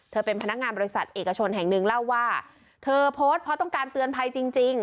เป็นพนักงานบริษัทเอกชนแห่งหนึ่งเล่าว่าเธอโพสต์เพราะต้องการเตือนภัยจริง